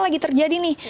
lagi terjadi nih